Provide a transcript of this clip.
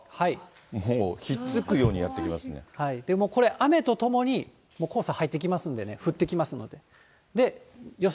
もうひっつくようにやって来ますね。これ、雨とともに、もう黄砂入ってきますんでね、降ってきますので。